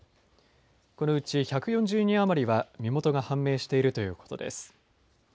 このうち１４０人余りは身元が判明しているということです。